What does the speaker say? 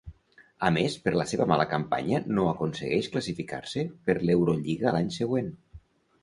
A més per la seva mala campanya no aconsegueix classificar-se per l'Eurolliga l'any següent.